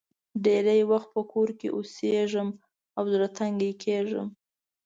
ډېری وخت په کور کې اوسېږم او زړه تنګ کېږم.